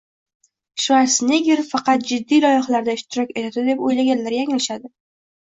Shvarsenegger faqat jiddiy loyihalarda ishtirok etadi deb o‘ylaganlar yanglishadi